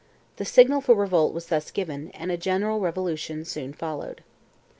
The signal for revolt was thus given, and a general revolution soon followed.